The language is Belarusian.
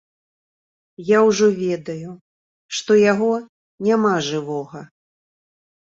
Я ўжо ведаю, што яго няма жывога.